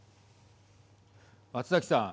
松崎さん。